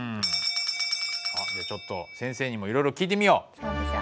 ちょっと先生にもいろいろ聞いてみよう。